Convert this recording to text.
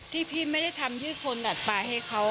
ที่พี่ไม่ได้ทำที่คนดัดปลายให้เขา